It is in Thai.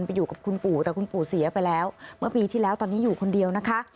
ไปอยู่กับคุณปู่แต่คุณปู่เสียไปแล้วเมื่อปีที่แล้วตอนนี้อยู่คนเดียวนะคะ